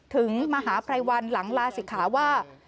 มหาภัยวันหลังลาศิกขาว่า